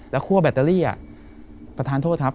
แล้วคั่วแบตเตอรี่ประธานโทษครับ